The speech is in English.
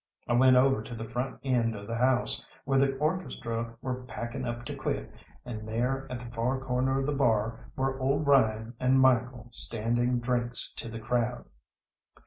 I went over to the front end of the house, where the orchestra were packing up to quit, and there at the far corner of the bar were old Ryan and Michael standing drinks to the crowd.